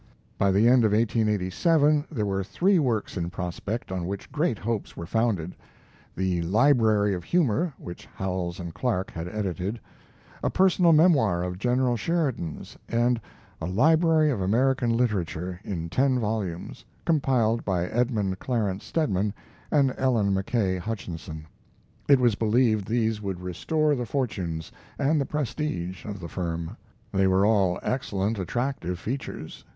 By the end of 1887 there were three works in prospect on which great hopes were founded 'The Library of Humor', which Howells and Clark had edited; a personal memoir of General Sheridan's, and a Library of American Literature in ten volumes, compiled by Edmund Clarence Stedman and Ellen Mackay Hutchinson. It was believed these would restore the fortunes and the prestige of the firm. They were all excellent, attractive features.